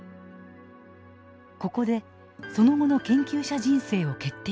ここでその後の研究者人生を決定